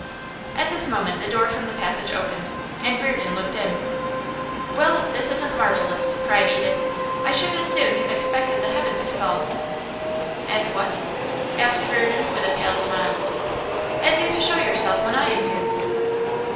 At this moment the door from the passage opened, and Reardon looked in. 'Well, if this isn't marvellous!' cried Edith. 'I should as soon have expected the heavens to fall!' 'As what?' asked Reardon, with a pale smile. 'As you to show yourself when I am here.